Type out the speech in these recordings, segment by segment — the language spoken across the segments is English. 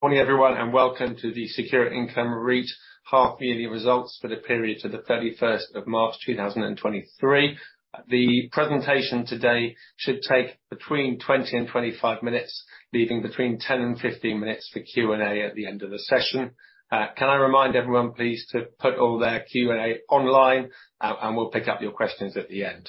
Morning, everyone, and welcome to the ReSI plc half-yearly results for the period to March 31, 2023. The presentation today should take between 20-25 minutes, leaving between 10-15 minutes for Q&A at the end of the session. Can I remind everyone, please, to put all their Q&A online, and we'll pick up your questions at the end?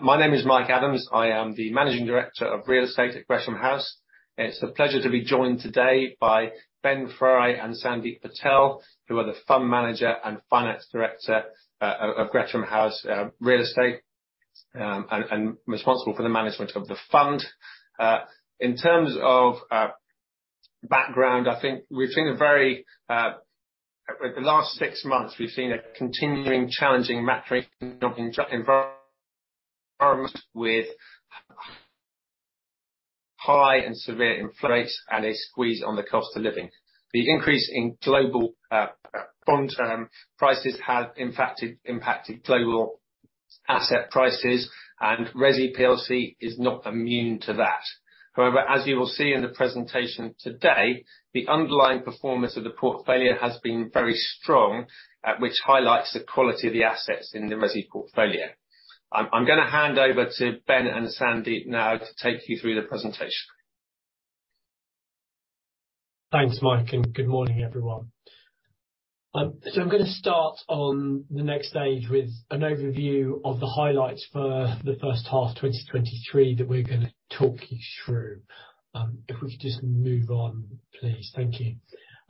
My name is Mike Adams. I am the Managing Director of Real Estate at Gresham House. It's a pleasure to be joined today by Ben Fry and Sandeep Patel, who are the Fund Manager and Finance Director of Gresham House Real Estate, and responsible for the management of the fund. In terms of background, I think we've seen a very challenging macroeconomic environment with high and severe inflation and a squeeze on the cost of living. The increase in global bond prices have impacted global asset prices. ReSI plc is not immune to that. As you will see in the presentation today, the underlying performance of the portfolio has been very strong, at which highlights the quality of the assets in the ReSI portfolio. I'm gonna hand over to Ben and Sandeep now to take you through the presentation. Thanks, Mike, and good morning, everyone. I'm gonna start on the next stage with an overview of the highlights for the first half of 2023 that we're gonna talk you through. If we could just move on, please. Thank you.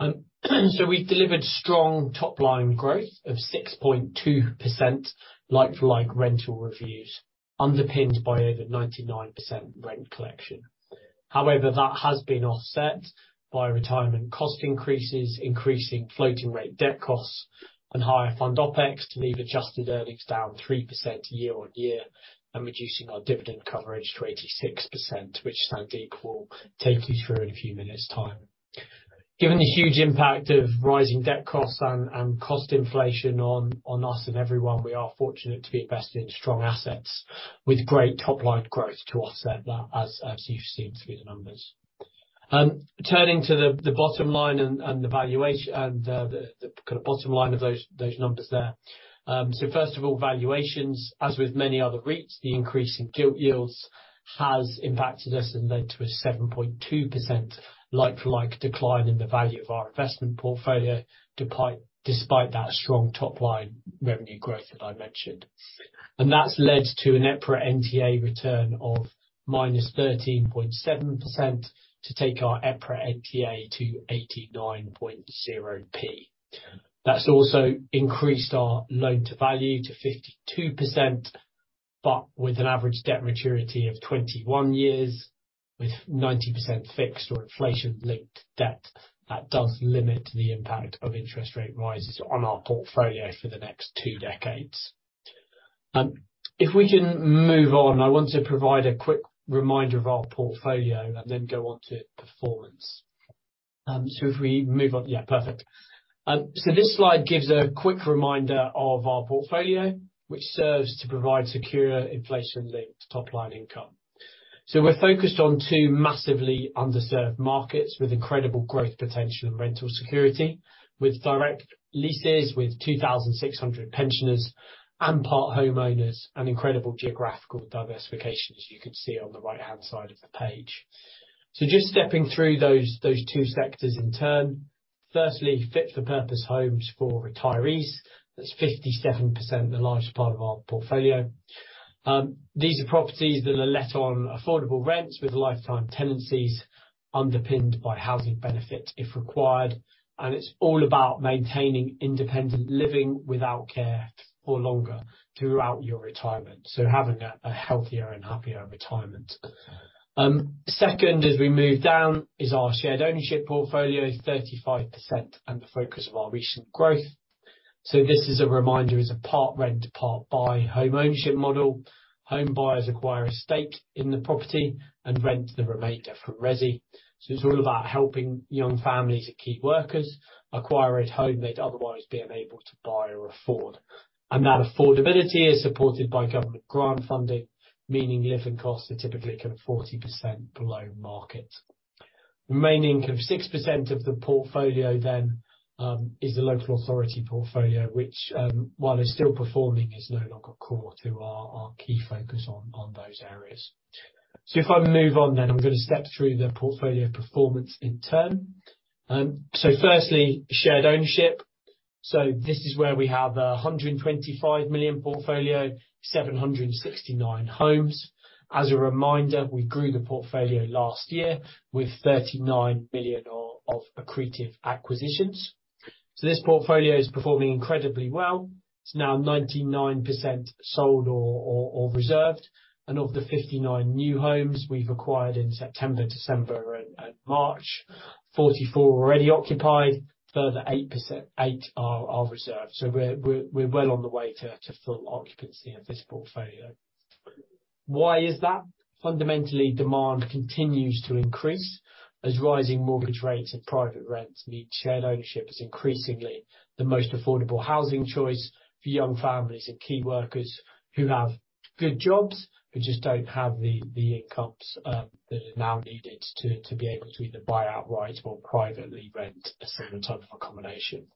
We've delivered strong top-line growth of 6.2% like-for-like rental reviews, underpinned by over 99% rent collection. However, that has been offset by retirement cost increases, increasing floating rate debt costs, and higher fund OpEx to leave adjusted earnings down 3% year on year, and reducing our dividend coverage to 86%, which Sandeep will take you through in a few minutes time. Given the huge impact of rising debt costs and cost inflation on us and everyone, we are fortunate to be invested in strong assets with great top-line growth to offset that, as you've seen through the numbers. Turning to the bottom line and the valuation, and the kind of bottom line of those numbers there. First of all, valuations. As with many other REITs, the increase in gilt yields has impacted us and led to a 7.2% like-for-like decline in the value of our investment portfolio, despite that strong top-line revenue growth that I mentioned. That's led to an EPRA NTA return of -13.7% to take our EPRA NTA to 89.0p. That's also increased our loan-to-value to 52%, with an average debt maturity of 21 years, with 90% fixed or inflation-linked debt, that does limit the impact of interest rate rises on our portfolio for the next two decades. If we can move on, I want to provide a quick reminder of our portfolio and then go on to performance. If we move on. Yeah, perfect. This slide gives a quick reminder of our portfolio, which serves to provide secure, inflation-linked top-line income. We're focused on two massively underserved markets with incredible growth potential and rental security, with direct leases, with 2,600 pensioners and part homeowners, and incredible geographical diversification, as you can see on the right-hand side of the page. Just stepping through those two sectors in turn. Firstly, fit for purpose homes for retirees. That's 57%, the largest part of our portfolio. These are properties that are let on affordable rents with lifetime tenancies, underpinned by housing benefit, if required, and it's all about maintaining independent living without care or longer throughout your retirement. Having a healthier and happier retirement. Second, as we move down, is our shared ownership portfolio, 35%, and the focus of our recent growth. This is a reminder, it's a part-rent, part-buy homeownership model. Homebuyers acquire a stake in the property and rent the remainder from ReSI. It's all about helping young families and key workers acquire a home they'd otherwise be unable to buy or afford. That affordability is supported by government grant funding, meaning living costs are typically kind of 40% below market. Remaining of 6% of the portfolio then, is the local authority portfolio, which, while it's still performing, is no longer core to our key focus on those areas. If I move on, then, I'm gonna step through the portfolio performance in turn. Firstly, shared ownership. This is where we have a 125 million portfolio, 769 homes. As a reminder, we grew the portfolio last year with 39 million of accretive acquisitions. This portfolio is performing incredibly well. It's now 99% sold or reserved, and of the 59 new homes we've acquired in September, December, and March, 44 are already occupied, a further eight are reserved. We're well on the way to full occupancy of this portfolio. Why is that? Fundamentally, demand continues to increase as rising mortgage rates and private rents mean shared ownership is increasingly the most affordable housing choice for young families and key workers who have good jobs, who just don't have the incomes that are now needed to be able to either buy outright or privately rent a similar type of accommodation.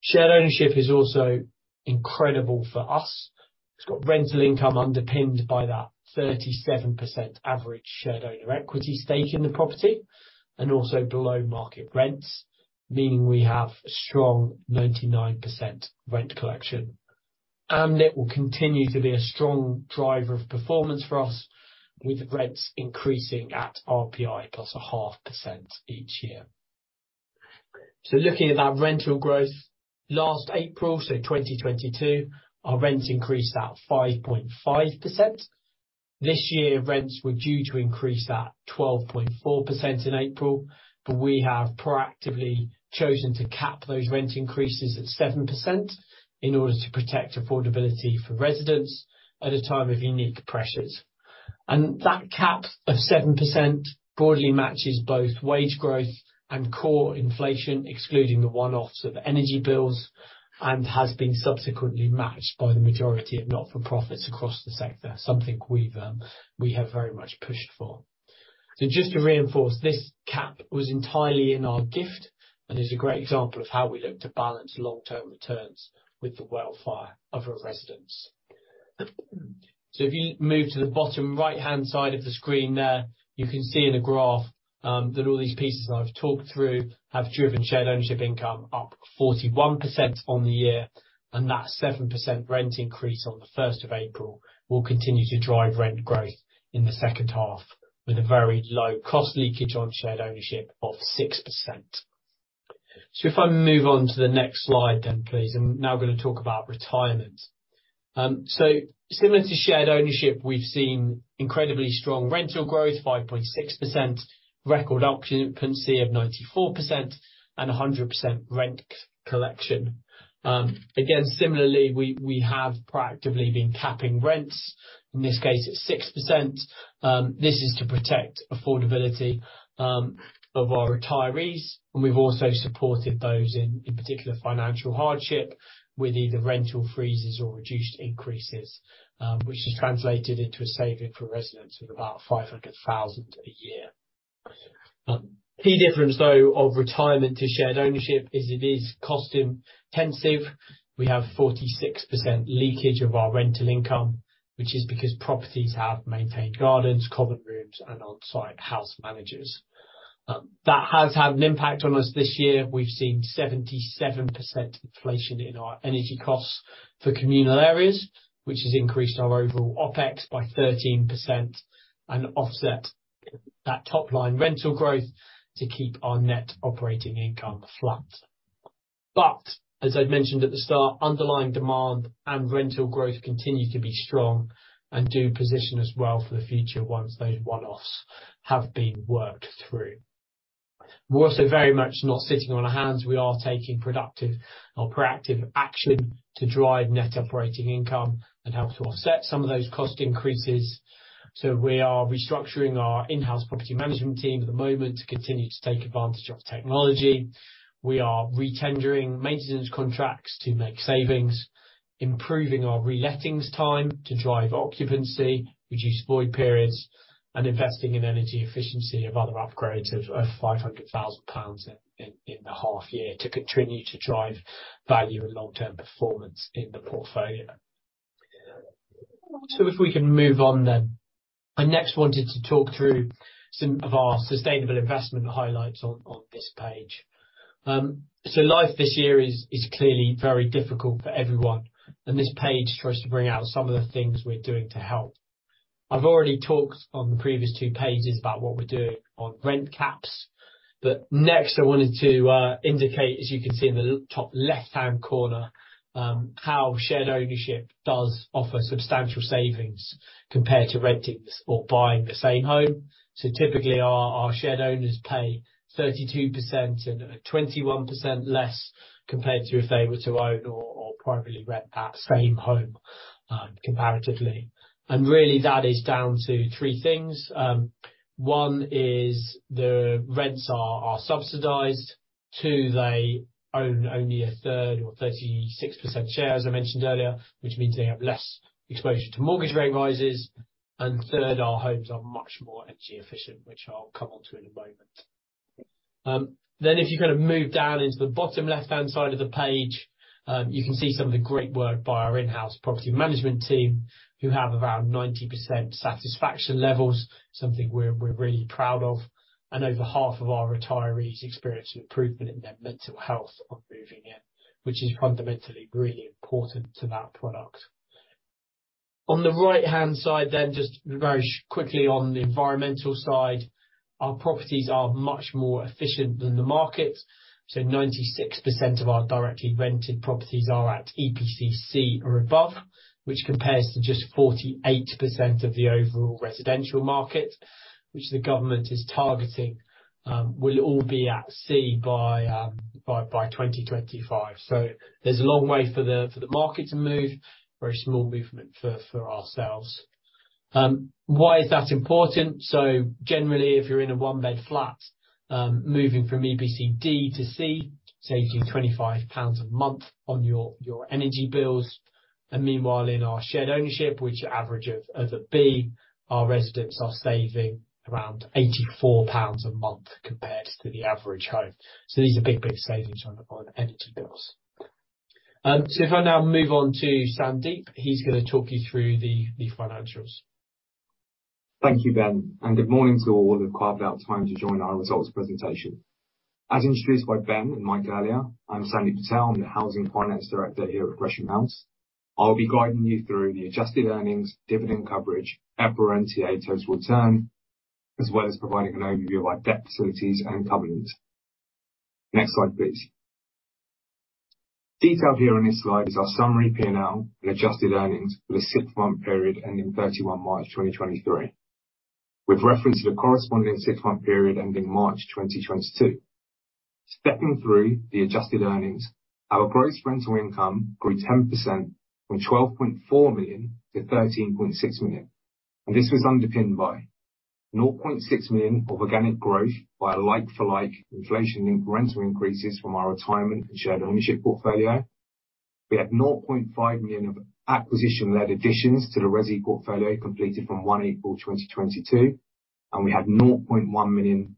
Shared ownership is also incredible for us. It's got rental income underpinned by that 37% average shared owner equity stake in the property, and also below market rents, meaning we have a strong 99% rent collection. It will continue to be a strong driver of performance for us, with rents increasing at RPI plus a half % each year. Looking at that rental growth, last April, 2022, our rents increased at 5.5%. This year, rents were due to increase at 12.4% in April, but we have proactively chosen to cap those rent increases at 7% in order to protect affordability for residents at a time of unique pressures. That cap of 7% broadly matches both wage growth and core inflation, excluding the one-offs of energy bills, and has been subsequently matched by the majority of not-for-profits across the sector, something we've, we have very much pushed for. Just to reinforce, this cap was entirely in our gift, and is a great example of how we look to balance long-term returns with the welfare of our residents. If you move to the bottom right-hand side of the screen there, you can see in the graph, that all these pieces that I've talked through have driven shared ownership income up 41% on the year, and that 7% rent increase on April will continue to drive rent growth in the second half, with a very low cost leakage on shared ownership of 6%. If I move on to the next slide, please, I'm now going to talk about retirement. Similar to shared ownership, we've seen incredibly strong rental growth, 5.6%, record occupancy of 94%, and 100% rent collection. Again, similarly, we have proactively been capping rents, in this case at 6%. This is to protect affordability of our retirees. We've also supported those in particular, financial hardship with either rental freezes or reduced increases, which has translated into a saving for residents of about 500,000 a year. Key difference, though, of retirement to shared ownership is it is cost-intensive. We have 46% leakage of our rental income, which is because properties have maintained gardens, common rooms, and on-site house managers. That has had an impact on us this year. We've seen 77% inflation in our energy costs for communal areas, which has increased our overall OpEx by 13% and offset that top line rental growth to keep our net operating income flat. As I mentioned at the start, underlying demand and rental growth continue to be strong and do position us well for the future once those one-offs have been worked through. We're also very much not sitting on our hands. We are taking productive or proactive action to drive net operating income and help to offset some of those cost increases. We are restructuring our in-house property management team at the moment to continue to take advantage of technology. We are re-tendering maintenance contracts to make savings, improving our relettings time to drive occupancy, reduce void periods, and investing in energy efficiency of other upgrades of 500,000 pounds in the half year to continue to drive value and long-term performance in the portfolio. If we can move on, then. I next wanted to talk through some of our sustainable investment highlights on this page. Life this year is clearly very difficult for everyone, and this page tries to bring out some of the things we're doing to help. I've already talked on the previous 2 pages about what we're doing on rent caps. Next, I wanted to indicate, as you can see in the top left-hand corner, how shared ownership does offer substantial savings compared to renting or buying the same home. Typically, our shared owners pay 32% and 21% less compared to if they were to own or privately rent that same home, comparatively. Really, that is down to three things. One is the rents are subsidized. They own only a third or 36% share, as I mentioned earlier, which means they have less exposure to mortgage rate rises. Third, our homes are much more energy efficient, which I'll come onto in a moment. If you kind of move down into the bottom left-hand side of the page, you can see some of the great work by our in-house property management team, who have around 90% satisfaction levels, something we're really proud of, and over half of our retirees experience an improvement in their mental health on moving in, which is fundamentally really important to that product. On the right-hand side, just very quickly on the environmental side, our properties are much more efficient than the market. 96% of our directly rented properties are at EPC C or above, which compares to just 48% of the overall residential market, which the government is targeting, will all be at C by 2025. There's a long way for the market to move. Very small movement for ourselves. Why is that important? Generally, if you're in a one-bed flat, moving from EPC D to C, saves you 25 pounds a month on your energy bills. Meanwhile, in our shared ownership, which average of a B, our residents are saving around 84 pounds a month compared to the average home. These are big savings on energy bills. If I now move on to Sandeep, he's going to talk you through the financials. Thank you, Ben. Good morning to all of you who have carved out time to join our results presentation. As introduced by Ben and Mike earlier, I'm Sandeep Patel. I'm the Housing Finance Director here at Gresham House. I'll be guiding you through the adjusted earnings, dividend coverage, EPRA NTA total return, as well as providing an overview of our debt facilities and covenants. Next slide, please. Detailed here on this slide is our summary P&L and adjusted earnings for the six-month period ending 31 March 2023, with reference to the corresponding six-month period ending March 2022. Stepping through the adjusted earnings, our gross rental income grew 10% from 12.4 million to 13.6 million, and this was underpinned by 0.6 million of organic growth by a like-for-like inflation-linked rental increases from our retirement and shared ownership portfolio. We had 0.5 million of acquisition-led additions to the ReSI portfolio completed from April 1, 2022. We had 0.1 million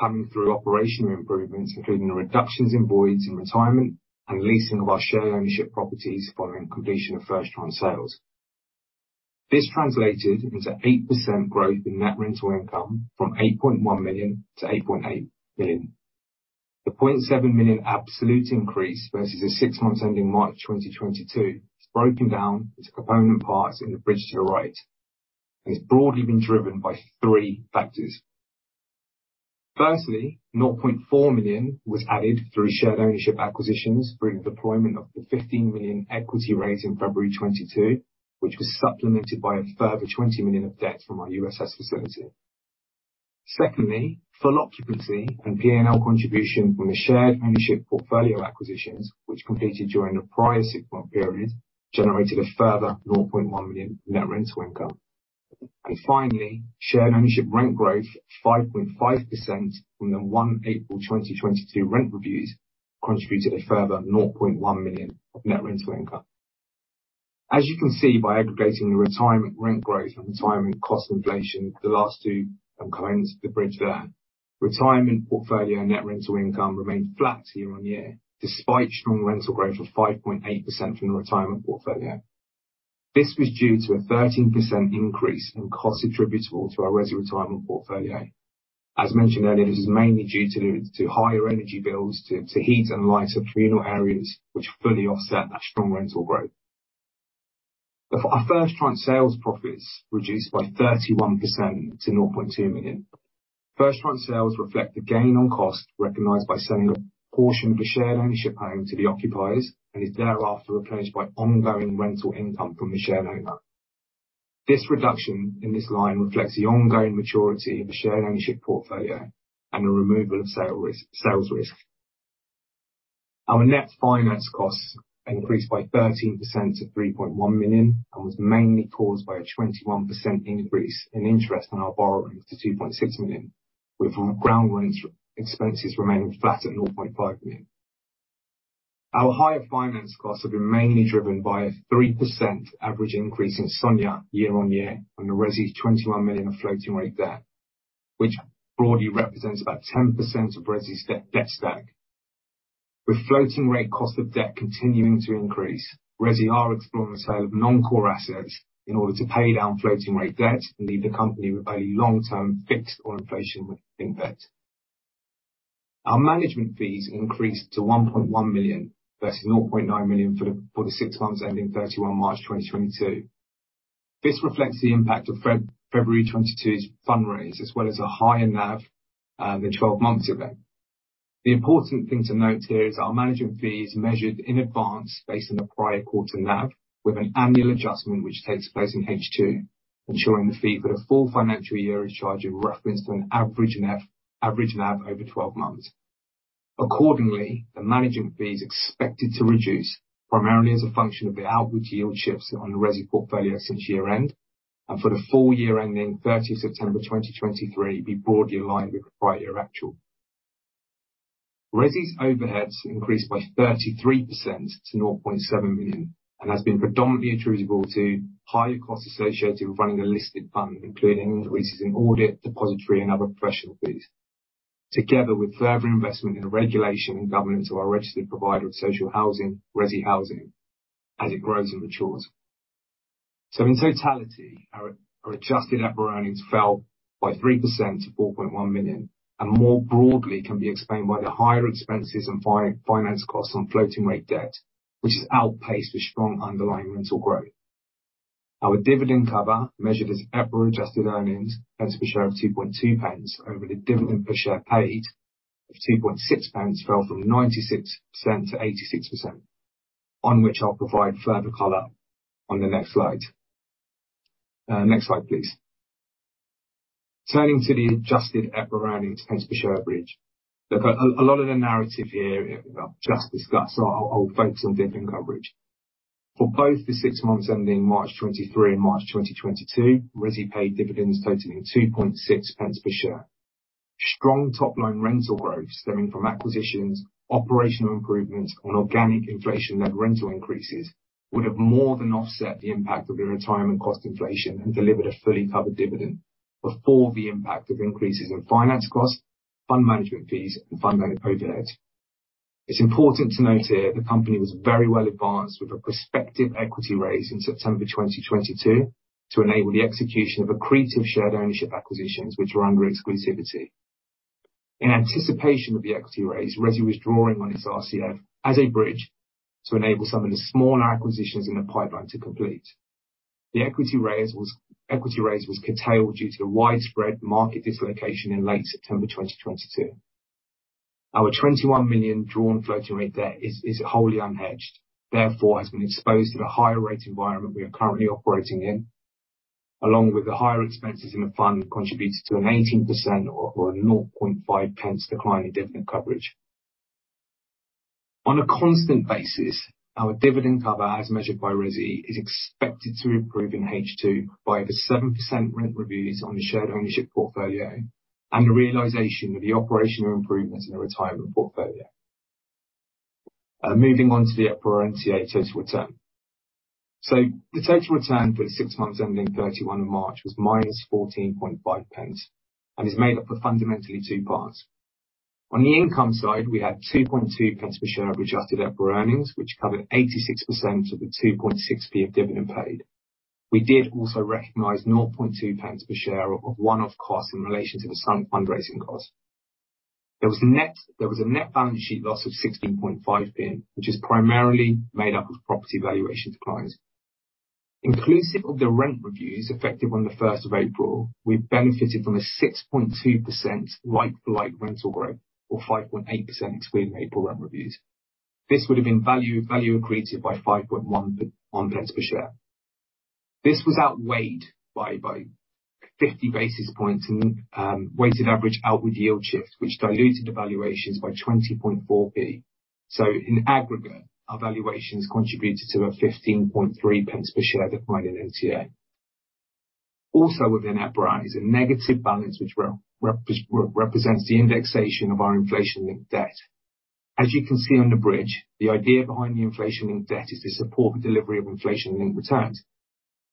coming through operational improvements, including the reductions in voids and retirement and leasing of our shared ownership properties following completion of first-round sales. This translated into 8% growth in net rental income from 8.1 million to 8.8 million. The 0.7 million absolute increase versus the six months ending March 2022 is broken down into component parts in the bridge to the right. It's broadly been driven by three factors. Firstly, 0.4 million was added through shared ownership acquisitions through the deployment of the 15 million equity raise in February 2022, which was supplemented by a further 20 million of debt from our USS facility. Full occupancy and P&L contribution from the shared ownership portfolio acquisitions, which completed during the prior six-month period, generated a further 0.1 million net rental income. Shared ownership rent growth of 5.5% from the April 1, 2022 rent reviews contributed a further 0.1 million of net rental income. As you can see, by aggregating the retirement rent growth and retirement cost inflation, the last two components of the bridge there, retirement portfolio net rental income remained flat year-on-year, despite strong rental growth of 5.8% from the retirement portfolio. This was due to a 13% increase in costs attributable to our ReSI retirement portfolio. As mentioned earlier, this is mainly due to higher energy bills, to heat and light of communal areas, which fully offset that strong rental growth. Our first-time sales profits reduced by 31% to 0.2 million. First-time sales reflect the gain on cost recognized by selling a portion of a shared ownership home to the occupiers and is thereafter replaced by ongoing rental income from the shared owner. This reduction in this line reflects the ongoing maturity of the shared ownership portfolio and the removal of sales risk. Our net finance costs increased by 13% to 3.1 million, and was mainly caused by a 21% increase in interest on our borrowings to 2.6 million, with ground rent expenses remaining flat at 0.5 million. Our higher finance costs have been mainly driven by a 3% average increase in SONIA year-on-year on the ReSI's 21 million of floating rate debt, which broadly represents about 10% of ReSI's debt stack. With floating rate cost of debt continuing to increase, ReSI are exploring the sale of non-core assets in order to pay down floating rate debt and leave the company with a long-term fixed or inflation rate in debt. Our management fees increased to 1.1 million, versus 0.9 million for the six months ending 31 March 2022. This reflects the impact of February 2022's fundraise, as well as a higher NAV than 12 months event. The important thing to note here is our management fee is measured in advance, based on the prior quarter NAV, with an annual adjustment, which takes place in H2, ensuring the fee for the full financial year is charged in reference to an average NAV over 12 months. Accordingly, the management fee is expected to reduce, primarily as a function of the outward yield shifts on the ReSI portfolio since year-end, and for the full year ending 30 September 2023, be broadly in line with the prior year actual. ReSI's overheads increased by 33% to 0.7 million, and has been predominantly attributable to higher costs associated with running a listed fund, including increases in audit, depository, and other professional fees, together with further investment in the regulation and governance of our registered provider of social housing, ReSI Housing, as it grows and matures. In totality, our adjusted EPRA earnings fell by 3% to 4.1 million, and more broadly can be explained by the higher expenses and finance costs on floating rate debt, which has outpaced the strong underlying rental growth. Our dividend cover, measured as EPRA adjusted earnings, as per share of 2.2 pence over the dividend per share paid of 2.6 pence, fell from 96% to 86%, on which I'll provide further color on the next slide. Next slide, please. Turning to the adjusted EPRA and pence per share bridge. Look, a lot of the narrative here, I've just discussed, so I'll focus on dividend coverage. For both the six months ending March 2023 and March 2022, ReSI paid dividends totaling 2.6 pence per share. Strong top line rental growth stemming from acquisitions, operational improvements, and organic inflation-led rental increases would have more than offset the impact of the retirement cost inflation and delivered a fully covered dividend before the impact of increases in finance costs, fund management fees, and fund management overheads. It's important to note here, the company was very well advanced with a prospective equity raise in September 2022 to enable the execution of accretive shared ownership acquisitions, which are under exclusivity. In anticipation of the equity raise, ReSI was drawing on its RCF as a bridge to enable some of the smaller acquisitions in the pipeline to complete. The equity raise was curtailed due to the widespread market dislocation in late September 2022. Our 21 million drawn floating rate debt is wholly unhedged, therefore, has been exposed to the higher rate environment we are currently operating in, along with the higher expenses in the fund, contributed to an 18% or a 0.5 pence decline in dividend coverage. On a constant basis, our dividend cover, as measured by ReSI, is expected to improve in H2 by the 7% rent reviews on the shared ownership portfolio and the realization of the operational improvements in the retirement portfolio. Moving on to the EPRA NTA total return. The total return for the 6 months ending 31 March was -14.5 pence and is made up of fundamentally two parts. On the income side, we had 0.022 per share of adjusted EPRA earnings, which covered 86% of the 0.026 of dividend paid. We did also recognize 0.002 per share of one-off costs in relation to the fundraising costs. There was a net balance sheet loss of 0.165, which is primarily made up of property valuation declines. Inclusive of the rent reviews effective on the 1st of April, we benefited from a 6.2% like-for-like rental growth or 5.8% excluding April rent reviews. This would have been value accretive by 0.051 per share. This was outweighed by 50 basis points in weighted average outward yield shift, which diluted valuations by 0.204. In aggregate, our valuations contributed to a 15.3 pence per share decline in NTA. Also within EPRA is a negative balance, which represents the indexation of our inflation-linked debt. As you can see on the bridge, the idea behind the inflation-linked debt is to support the delivery of inflation-linked returns.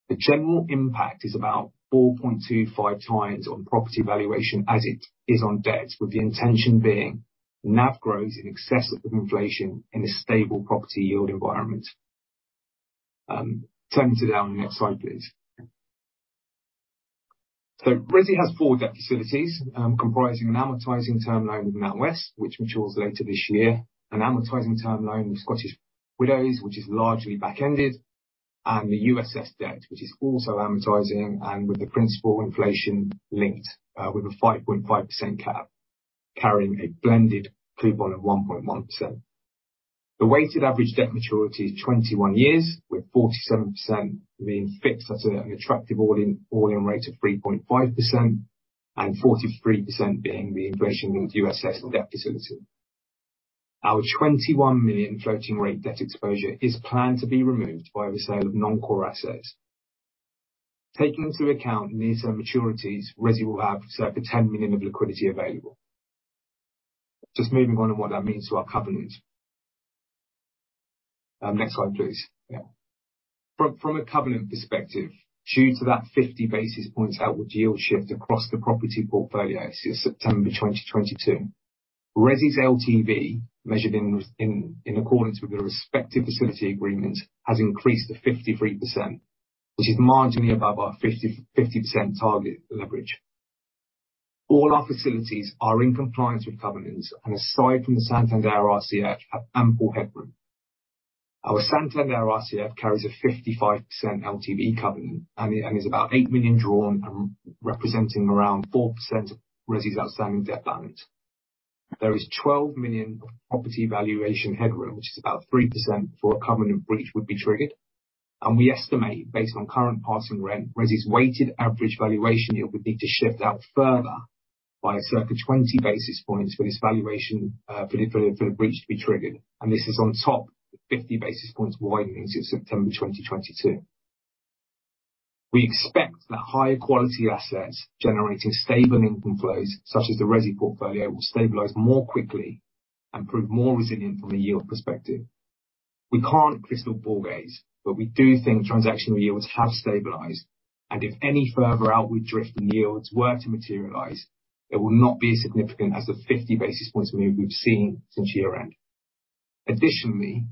The general impact is about 4.25 times on property valuation as it is on debt, with the intention being NAV growth in excess of inflation in a stable property yield environment. Turning to the next slide, please. ReSI has four debt facilities, comprising an amortizing term loan with NatWest, which matures later this year, an amortizing term loan with Scottish Widows, which is largely backended, and the USS debt, which is also amortizing and with the principal inflation-linked, with a 5.5% cap, carrying a blended coupon of 1.1%. The weighted average debt maturity is 21 years, with 47% being fixed at an attractive all-in rate of 3.5% and 43% being the inflation-linked USS debt facility. Our 21 million floating rate debt exposure is planned to be removed by the sale of non-core assets. Taking into account these maturities, ReSI will have circa 10 million of liquidity available. Just moving on to what that means to our covenant. Next slide, please. Yeah. From a covenant perspective, due to that 50 basis points outward yield shift across the property portfolio since September 2022, ReSI's LTV, measured in accordance with the respective facility agreement, has increased to 53%, which is marginally above our 50% target leverage. All our facilities are in compliance with covenants, and aside from the Santander RCF, have ample headroom. Our Santander RCF carries a 55% LTV covenant and is about 8 million drawn and representing around 4% of ReSI's outstanding debt balance. There is 12 million of property valuation headroom, which is about 3% before a covenant breach would be triggered. We estimate, based on current passing rent, ReSI's weighted average valuation yield would need to shift out further by circa 20 basis points for this valuation, for the breach to be triggered. This is on top of the 50 basis points widening since September 2022. We expect that higher quality assets generating stable income flows, such as the ReSI portfolio, will stabilize more quickly and prove more resilient from a yield perspective. We can't crystal ball gaze. We do think transactional yields have stabilized. If any further outward drift in yields were to materialize, it will not be as significant as the 50 basis points move we've seen since year-end. Additionally,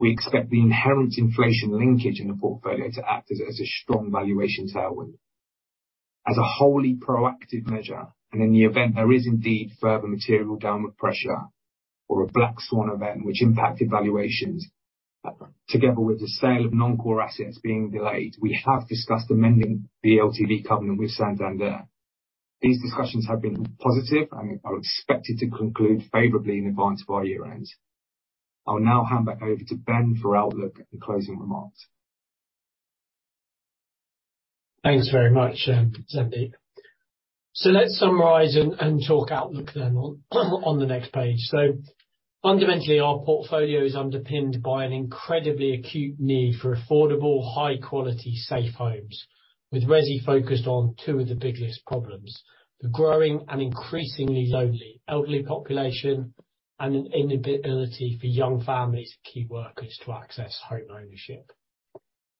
we expect the inherent inflation-linked in the portfolio to act as a strong valuation tailwind. As a wholly proactive measure, and in the event there is indeed further material downward pressure or a black swan event which impacted valuations, together with the sale of non-core assets being delayed, we have discussed amending the LTV covenant with Santander. These discussions have been positive and are expected to conclude favorably in advance of our year-end. I will now hand back over to Ben for outlook and closing remarks. Thanks very much, Sandeep. Let's summarize and talk outlook then on the next page. Fundamentally, our portfolio is underpinned by an incredibly acute need for affordable, high quality, safe homes, with ReSI focused on two of the biggest problems: the growing and increasingly lonely elderly population, and an inability for young families and key workers to access homeownership.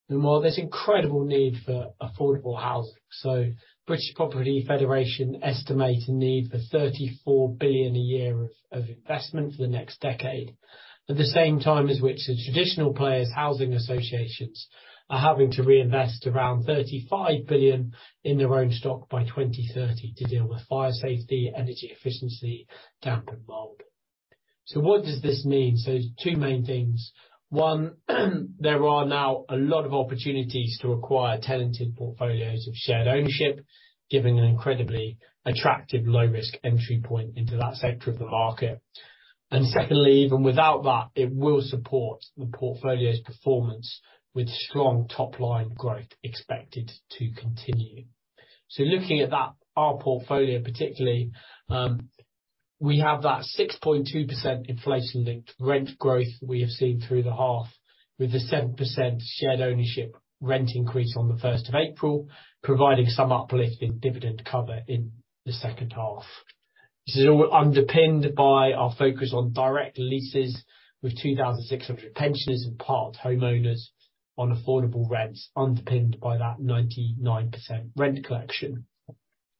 While there's incredible need for affordable housing, British Property Federation estimate a need for 34 billion a year of investment for the next decade, at the same time as which the traditional players, housing associations, are having to reinvest around 35 billion in their own stock by 2030 to deal with fire safety, energy efficiency, damp and mold. What does this mean? There's two main things. There are now a lot of opportunities to acquire talented portfolios of shared ownership, giving an incredibly attractive low-risk entry point into that sector of the market. Secondly, even without that, it will support the portfolio's performance with strong top-line growth expected to continue. Looking at that, our portfolio, particularly, we have that 6.2% inflation-linked rent growth we have seen through the half, with the 7% shared ownership rent increase on the first of April, providing some uplift in dividend cover in the second half. This is all underpinned by our focus on direct leases, with 2,600 pensioners and part homeowners on affordable rents, underpinned by that 99% rent collection,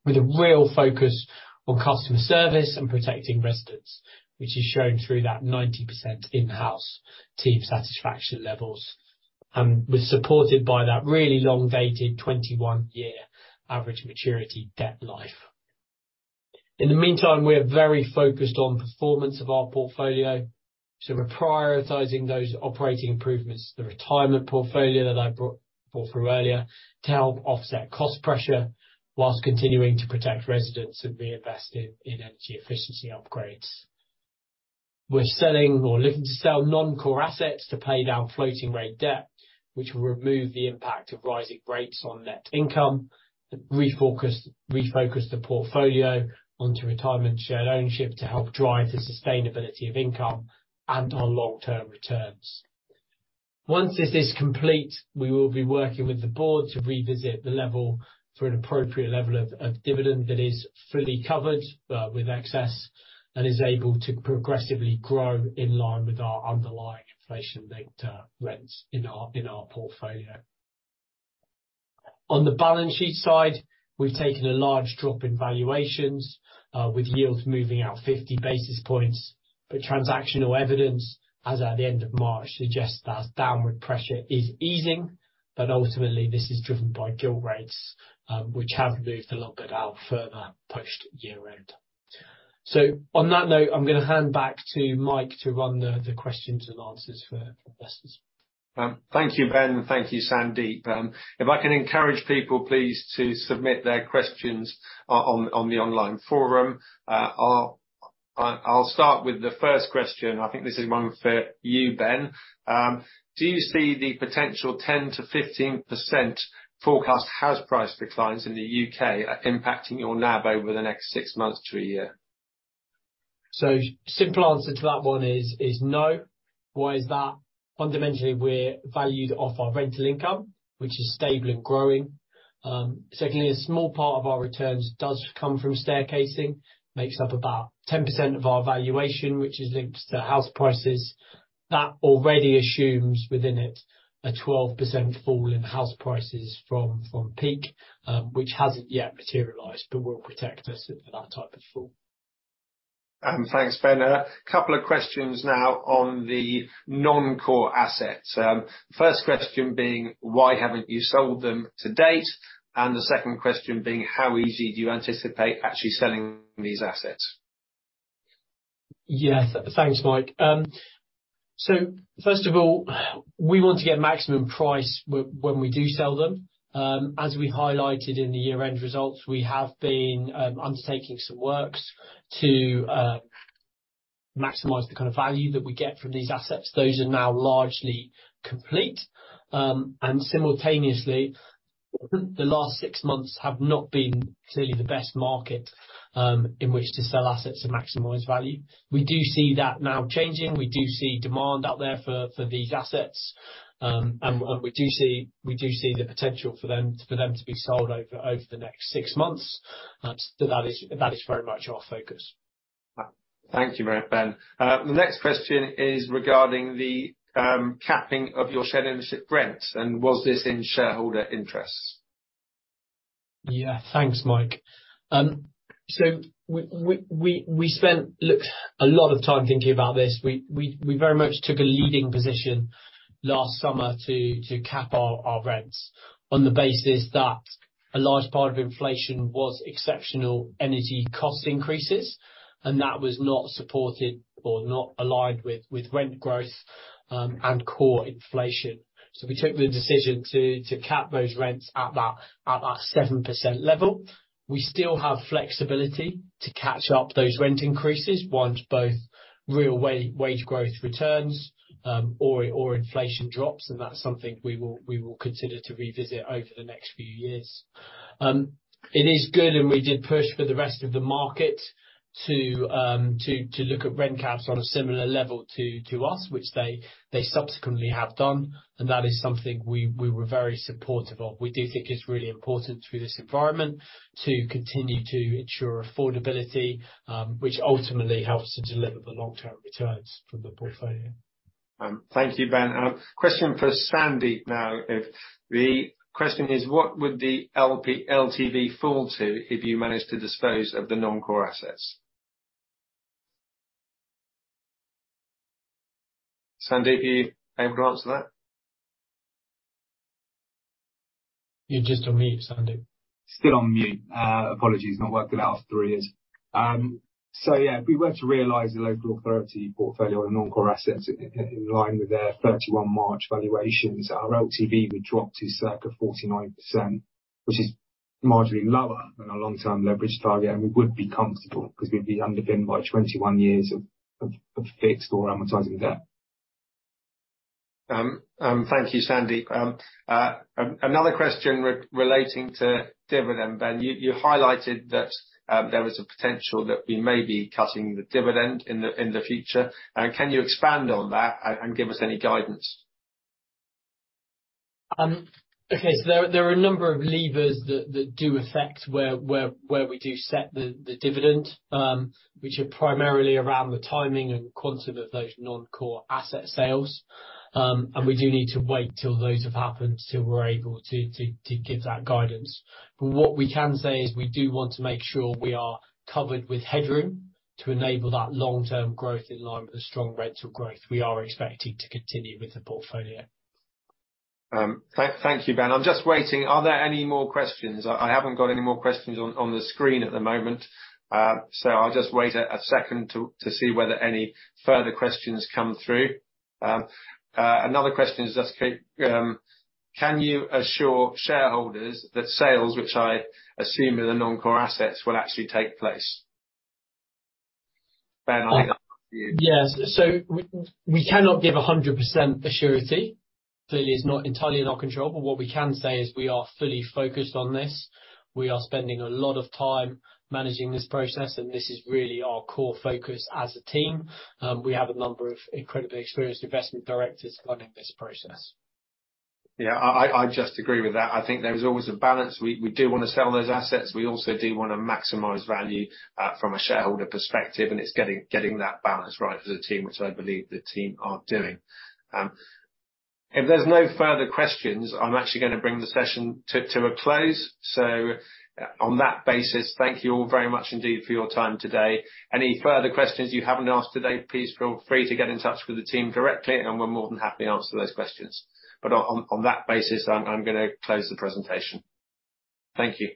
with a real focus on customer service and protecting residents, which is shown through that 90% in-house team satisfaction levels, and was supported by that really long dated, 21-year average maturity debt life. In the meantime, we're very focused on performance of our portfolio, so we're prioritizing those operating improvements, the retirement portfolio that I brought forward through earlier to help offset cost pressure, whilst continuing to protect residents and reinvest in energy efficiency upgrades. We're selling or looking to sell non-core assets to pay down floating rate debt, which will remove the impact of rising rates on net income, and refocus the portfolio onto retirement shared ownership to help drive the sustainability of income and on long-term returns. Once this is complete, we will be working with the board to revisit for an appropriate level of dividend that is fully covered with excess, and is able to progressively grow in line with our underlying inflation-linked rents in our portfolio. On the balance sheet side, we've taken a large drop in valuations with yields moving out 50 basis points, but transactional evidence, as at the end of March, suggests that downward pressure is easing, but ultimately, this is driven by gilt rates, which have moved a little bit out further post year-end. On that note, I'm gonna hand back to Mike to run the questions and answers for investors. Thank you, Ben, and thank you, Sandeep. If I can encourage people, please, to submit their questions on the online forum. I'll start with the first question. I think this is one for you, Ben. Do you see the potential 10%-15% forecast house price declines in the U.K. impacting your NAV over the next six months to a year? Simple answer to that one is no. Why is that? Fundamentally, we're valued off our rental income, which is stable and growing. Secondly, a small part of our returns does come from staircasing, makes up about 10% of our valuation, which is linked to house prices. That already assumes within it a 12% fall in house prices from peak, which hasn't yet materialized, but will protect us at that type of fall. Thanks, Ben. A couple of questions now on the non-core assets. First question being: Why haven't you sold them to date? The second question being: How easy do you anticipate actually selling these assets? Yes. Thanks, Mike. First of all, we want to get maximum price when we do sell them. As we highlighted in the year-end results, we have been undertaking some works to maximize the kind of value that we get from these assets. Those are now largely complete. Simultaneously, the last 6 months have not been clearly the best market in which to sell assets to maximize value. We do see that now changing. We do see demand out there for these assets. We do see the potential for them to be sold over the next 6 months. That is very much our focus. Thank you very much, Ben. The next question is regarding the capping of your shared ownership rents, and was this in shareholder interests? Yeah. Thanks, Mike. We spent, look, a lot of time thinking about this. We very much took a leading position last summer to cap our rents, on the basis that a large part of inflation was exceptional energy cost increases, and that was not supported or not aligned with rent growth. Core inflation. We took the decision to cap those rents at that 7% level. We still have flexibility to catch up those rent increases once both real wage growth returns, or inflation drops. That's something we will consider to revisit over the next few years. It is good. We did push for the rest of the market to look at rent caps on a similar level to us, which they subsequently have done. That is something we were very supportive of. We do think it's really important through this environment to continue to ensure affordability, which ultimately helps to deliver the long-term returns from the portfolio. Thank you, Ben. A question for Sandeep now. If the question is: What would the LTV fall to if you managed to dispose of the non-core assets? Sandeep, are you able to answer that? You're just on mute, Sandeep. Still on mute. Apologies, not worked it out after 3 years. If we were to realize the local authority portfolio and non-core assets in line with their 31 March valuations, our LTV would drop to circa 49%, which is marginally lower than our long-term leverage target, and we would be comfortable because we'd be underpinned by 21 years of fixed or amortizing debt. Thank you, Sandeep. Another question relating to dividend, Ben. You highlighted that there was a potential that we may be cutting the dividend in the future. Can you expand on that and give us any guidance? There are a number of levers that do affect where we do set the dividend, which are primarily around the timing and quantum of those non-core asset sales. We do need to wait till those have happened, till we're able to give that guidance. What we can say is we do want to make sure we are covered with headroom to enable that long-term growth in line with the strong rental growth we are expecting to continue with the portfolio. Thank you, Ben. I haven't got any more questions on the screen at the moment. I'll just wait a second to see whether any further questions come through. Another question is, just: Can you assure shareholders that sales, which I assume are the non-core assets, will actually take place? Ben, I think that's you. Yes. We, we cannot give 100% surety. Clearly, it's not entirely in our control. What we can say is we are fully focused on this. We are spending a lot of time managing this process, and this is really our core focus as a team. We have a number of incredibly experienced investment directors running this process. Yeah, I just agree with that. I think there is always a balance. We do want to sell those assets. We also do want to maximize value from a shareholder perspective, and it's getting that balance right as a team, which I believe the team are doing. If there's no further questions, I'm actually going to bring the session to a close. On that basis, thank you all very much indeed for your time today. Any further questions you haven't asked today, please feel free to get in touch with the team directly, and we're more than happy to answer those questions. On that basis, I'm going to close the presentation. Thank you.